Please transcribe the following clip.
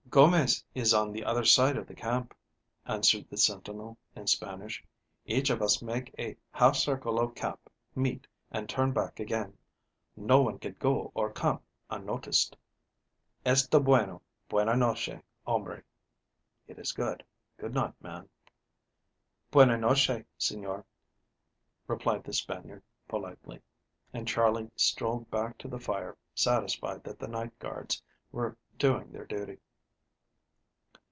"Gomez is on the other side of the camp," answered the sentinel in Spanish. "Each of us make a half circle of camp, meet, and turn back again. No one can go or come unnoticed." "Esto bueno. Bueno nosche, hombre." (It is good. Good night, man.) "Bueno nosche, señor," replied the Spaniard politely, and Charley strolled back to the fire, satisfied that the night guards were doing their duty.